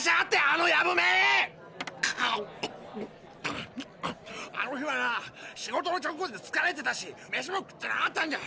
あの日はな仕事の直後でつかれてたしメシも食ってなかったんだ！